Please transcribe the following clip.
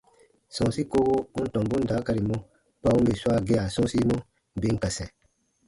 Sɔ̃ɔsi kowo u n tɔmbun daakari mɔ kpa u n bè swaa gea sɔ̃ɔsimɔ, bè n ka sɛ̃.